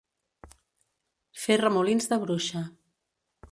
Fer remolins de bruixa.